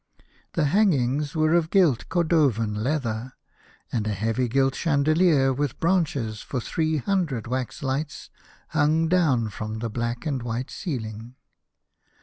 The hang ings were of gilt Cordovan leather, and a heavy gilt chandelier with branches lor three hundred wax lights hung down from the black and white ceiling.